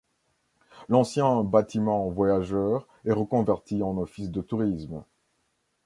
L'ancien bâtiment voyageurs est reconverti en office de tourisme.